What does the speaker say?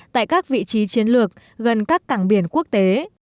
tại các vị trí chiến lược gần các cảng biển quốc tế